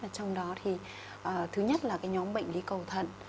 trong đó thì thứ nhất là cái nhóm bệnh lý cầu thận